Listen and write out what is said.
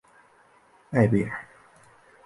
艾贝尔。